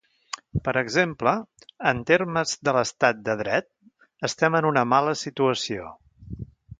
Per exemple, en termes de l’estat de dret estem en una mala situació.